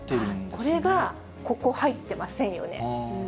これがここ、入ってませんよね。